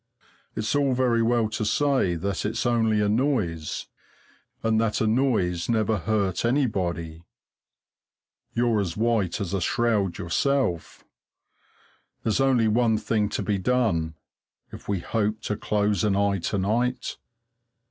It's all very well to say that it's only a noise, and that a noise never hurt anybody you're as white as a shroud yourself. There's only one thing to be done, if we hope to close an eye to night.